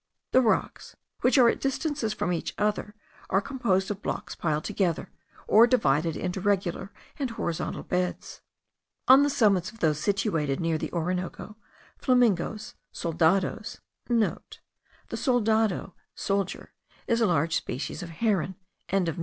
The rocks, which are at distances from each other, are composed of blocks piled together, or divided into regular and horizontal beds. On the summits of those situated near the Orinoco, flamingos, soldados,* (* The soldado (soldier) is a large species of heron.)